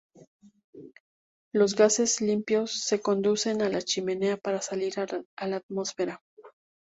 Los gases limpios se conducen a la chimenea para salir a la atmósfera.